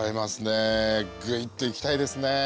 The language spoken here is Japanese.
グイッといきたいですね！